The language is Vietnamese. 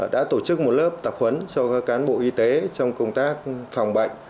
đã tổ chức một lớp tập huấn cho cán bộ y tế trong công tác phòng bệnh